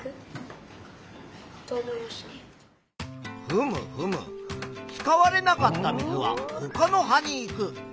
ふむふむ使われなかった水はほかの葉に行く。